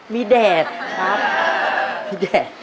มีแดดครับ